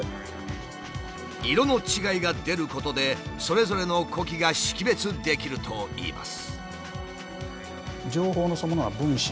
色の違いが出ることでそれぞれの呼気が識別できるといいます。